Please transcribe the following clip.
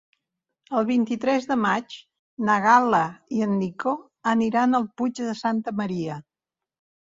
El vint-i-tres de maig na Gal·la i en Nico aniran al Puig de Santa Maria.